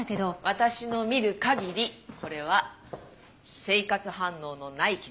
私の診る限りこれは生活反応のない傷。